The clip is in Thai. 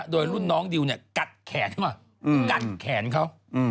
โดยรุ่นน้องดิวเนี่ยกัดแขนเขา